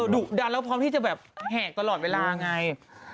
ดุดันแล้วพร้อมให้แห๊กตลอดเวลาไง